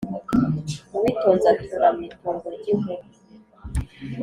Uwitonze atura mu itongo ry’inkuba.